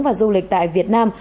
và du lịch tại việt nam